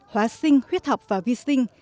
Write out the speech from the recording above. hóa sinh khuyết học và vi sinh